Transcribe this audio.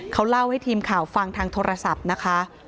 เขาเล่าให้ทีมข่าวฟังทางโทรศัพท์นะคะ